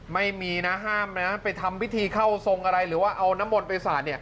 ไม่มีนะห้ามนะไปทำพิธีเข้าทรงอะไรหรือว่าเอาน้ำมนต์ไปสาด